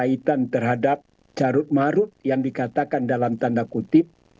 kaitan terhadap jarut marut yang dikatakan dalam tanda kutip